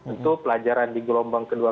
untuk pelajaran di gelombang kedua